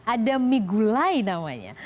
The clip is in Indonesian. ada mie gulai namanya